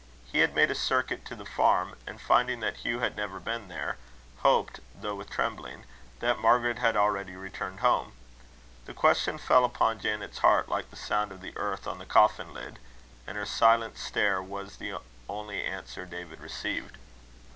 He had made a circuit to the farm, and finding that Hugh had never been there, hoped, though with trembling, that Margaret had already returned home. The question fell upon Janet's heart like the sound of the earth on the coffin lid, and her silent stare was the only answer David received.